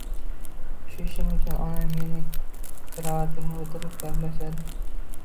shu ishim uchun onam mening krovatimda o‘tirib, gaplashadi